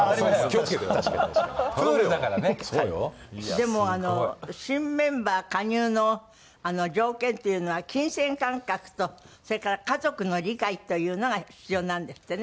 でもあの新メンバー加入の条件っていうのは金銭感覚とそれから家族の理解というのが必要なんですってね。